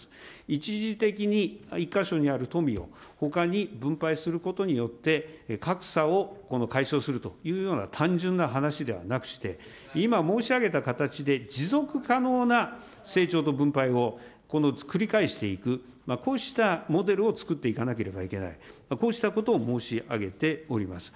一時的に一か所にある富をほかに分配することによって、格差を解消するというような単純な話ではなくして、今申し上げた形で、持続可能な成長と分配を繰り返していく、こうしたモデルを作っていかなければいけない、こうしたことを申し上げております。